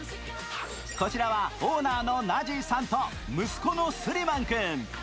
こちらはオーナーのナジーさんと息子のスリマン君。